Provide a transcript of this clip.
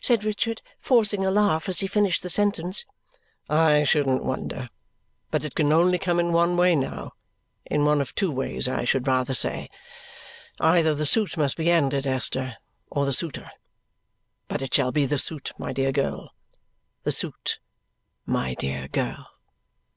said Richard, forcing a laugh as he finished the sentence. "I shouldn't wonder! But it can only come in one way now in one of two ways, I should rather say. Either the suit must be ended, Esther, or the suitor. But it shall be the suit, my dear girl, the suit, my dear girl!"